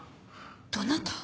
どなた？